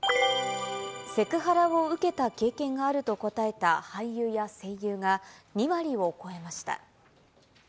セクハラを受けた経験があると答えた俳優や声優が、２割を超えました。